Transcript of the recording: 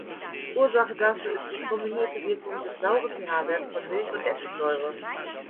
Ursache dafür ist die kombinierte Wirkung des sauren pH-Werts von Milch- und Essigsäure.